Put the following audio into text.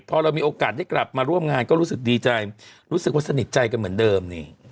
พอเรามีโอกาสได้กลับมาร่วมงานก็รู้สึกดีใจรู้สึกว่าสนิทใจกันเหมือนเดิมนี่